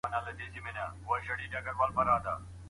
مرکزي کتابتون له اجازې پرته نه کارول کیږي.